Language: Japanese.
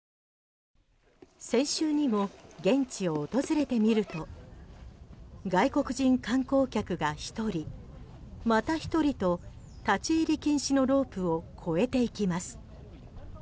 先週にも現地を訪れてみると外国人観光客が１人また１人と立ち入り禁止のロープを越えていきます。